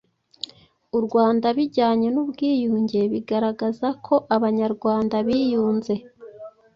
u Rwanda bijyanye n'ubwiyunge, bigaragaza ko Abanyarwanda biyunze